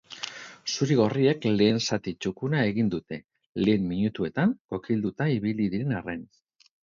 Zuri-gorriek lehen zati txukuna egin dute, lehen minutuetan kokilduta ibili diren arren.